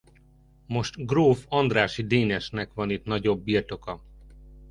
Most gróf Andrássy Dénesnek van itt nagyobb birtoka.